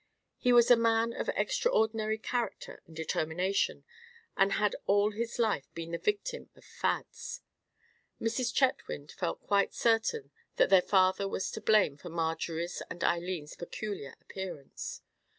He was a man of extraordinary character and determination, and had all his life been the victim of fads. Mrs. Chetwynd felt quite certain that their father was to blame for Marjorie's and Eileen's peculiar appearance.